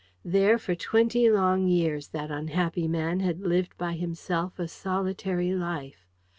There for twenty long years that unhappy man had lived by himself a solitary life.